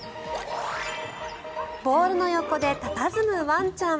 ボールの横で佇むワンちゃん。